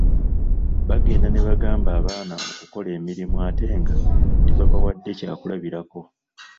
Bagenda ne bagamba abaana okukola emirimu ate nga tebabawadde kyakulabirako.